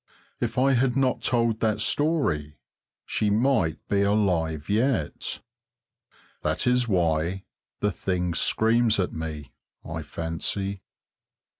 If I had not told that story she might be alive yet. That is why the thing screams at me, I fancy.